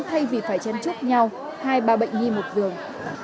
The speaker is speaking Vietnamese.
thay vì phải chen chúc nhau hai ba bệnh nhi một giường